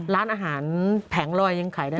ร้านอาหารแผงลอยยังขายได้